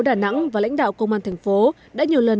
để tạo ra một công tác tuần tra khép kính